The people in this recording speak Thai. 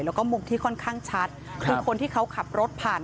แล้วก็มุมที่ค่อนข้างชัดคือคนที่เขาขับรถผ่าน